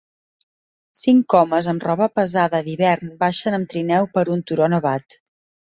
Cinc homes amb roba pesada d'hivern baixen amb trineu per un turó nevat